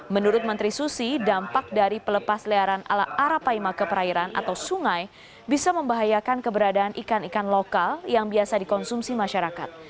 menurut menteri susi dampak dari pelepas liaran ala arapaima ke perairan atau sungai bisa membahayakan keberadaan ikan ikan lokal yang biasa dikonsumsi masyarakat